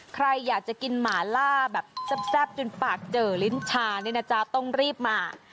ใครอยากจะกินหมาล่าแบบแซ่บจนปากเจอลิ้นชาเนี่ยนะจ๊ะต้องรีบมา